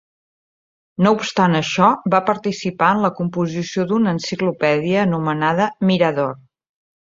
No obstant això, va participar en la composició d'una enciclopèdia anomenada "Mirador".